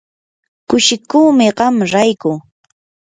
kushikuumi qam rayku.